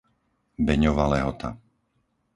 Beňova Lehota